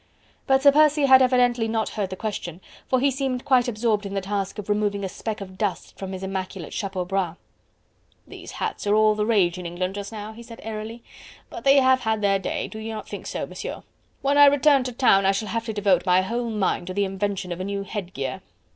But Sir Percy had evidently not heard the question, for he seemed quite absorbed in the task of removing a speck of dust from his immaculate chapeau bras. "These hats are all the rage in England just now," he said airily, "but they have had their day, do you not think so, Monsieur? When I return to town, I shall have to devote my whole mind to the invention of a new headgear..."